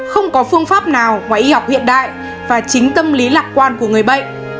không có phương pháp nào ngoài y học hiện đại và chính tâm lý lạc quan của người bệnh